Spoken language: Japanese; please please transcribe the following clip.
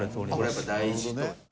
これやっぱ大事と。